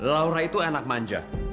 laura itu anak manja